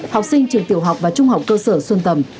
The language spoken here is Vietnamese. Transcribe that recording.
học sinh trường tiểu học và trung học cơ sở xuân tầm